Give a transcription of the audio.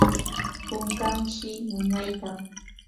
kunkanshi nanaykan.